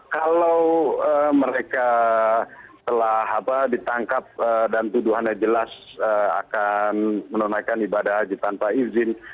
kalau mereka telah ditangkap dan tuduhannya jelas akan menunaikan ibadah haji tanpa izin